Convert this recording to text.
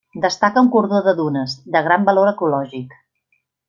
Destaca un cordó de dunes, de gran valor ecològic.